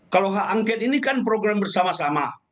kalau hak angket ini kan program bersama sama